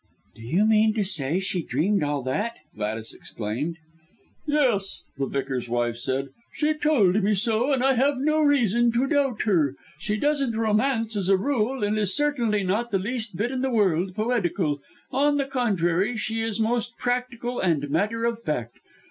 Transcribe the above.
"Do you mean to say she dreamed all that?" Gladys exclaimed. "Yes," the Vicar's wife said. "She told me so and I have no reason to doubt her. She doesn't romance as a rule, and is certainly not the least bit in the world poetical on the contrary she is most practical and matter of fact.